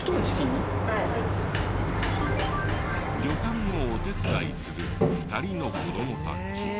旅館をお手伝いする２人の子どもたち。